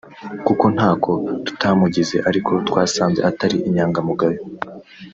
kuko ntako tutamugize ariko twasanze atari inyangamugayo